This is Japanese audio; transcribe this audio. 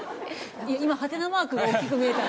今ハテナマークが大きく見えた。